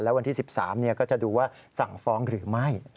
วันที่๑๓ก็จะดูว่าสั่งฟ้องหรือไม่